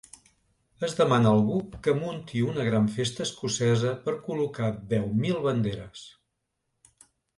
Es demana algú que munti una gran festa escocesa per col•locar deu mil banderes.